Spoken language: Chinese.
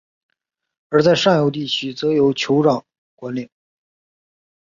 而在上游地区则由酋长管领。